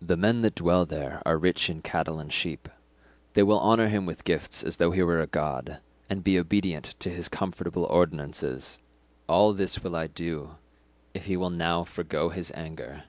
The men that dwell there are rich in cattle and sheep; they will honour him with gifts as though he were a god, and be obedient to his comfortable ordinances. All this will I do if he will now forgo his anger.